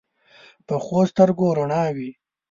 پخو سترګو رڼا وي